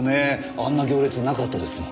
あんな行列なかったですもん。